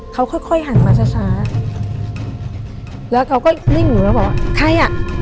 เขาค่อยค่อยหันมาช้าช้าแล้วเขาก็นิ่งหนูแล้วบอกว่าใครอ่ะ